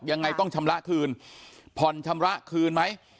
ยังไงต้องชำระคืนผ่อนชำระคืนไหม